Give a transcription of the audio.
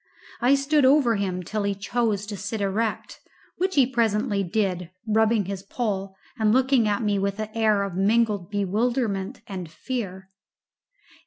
I stood over him till he chose to sit erect, which he presently did, rubbing his poll and looking at me with an air of mingled bewilderment and fear.